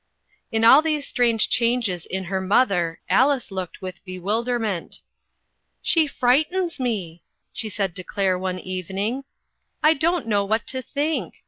On all these strange changes in her mother Alice looked with bewilderment. "She frightens me," she said to Claire one evening, "I don't know what to think.